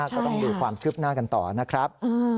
ก็ต้องดูความคืบหน้ากันต่อนะครับ